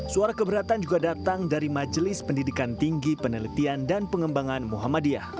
suara keberatan juga datang dari majelis pendidikan tinggi penelitian dan pengembangan muhammadiyah